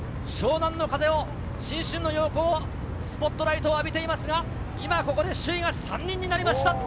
湘南の風を、新春の陽光を、スポットライトを浴びていますが、今、ここで首位が３人になりました。